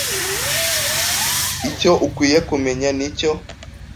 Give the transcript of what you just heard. Icyo ukwiye kumenya nicyo